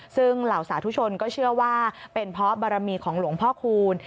ซึ่งเหล่าสาธุชนก็เชื่อว่าเป็นเพราะบารมีของหลวงพ่อคูณ